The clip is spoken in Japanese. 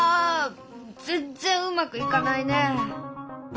全然うまくいかないね。